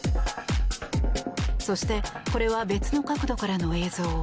そして、これは別の角度からの映像。